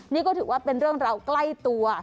นี่ก็ถือว่าเป็นเรื่องราวใกล้ตัว